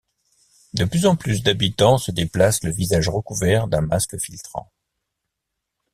De plus en plus d'habitants se déplacent le visage recouvert d'un masque filtrant.